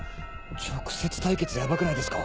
直接対決ヤバくないですか？